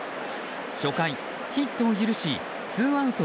初回、ヒットを許しツーアウト